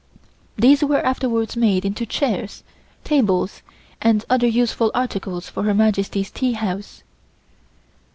These were afterwards made into chairs, tables and other useful articles for Her Majesty's teahouse.